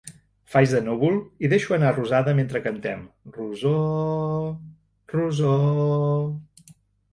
Faig de núvol i deixo anar rosada mentre cantem “Rosoooor, Rosooor”.